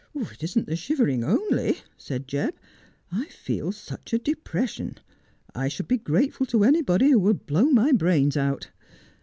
' It isn't the shivering only,' said Jebb. ' I feel such a de pression — I should be grateful to anybody who would blow my brains out.'